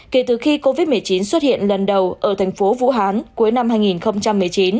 kể từ khi covid một mươi chín xuất hiện lần đầu ở thành phố vũ hán cuối năm hai nghìn một mươi chín